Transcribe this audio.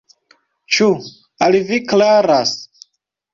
Ĉu al vi klaras?